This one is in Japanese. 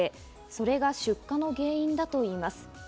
それが出火の原因だといいます。